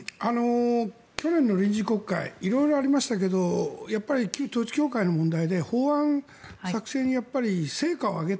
去年の臨時国会色々ありましたけどやっぱり旧統一教会の問題で法案作成に成果を上げた。